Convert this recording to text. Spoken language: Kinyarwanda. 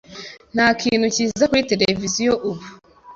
Nta kintu cyiza kuri tereviziyo ubu.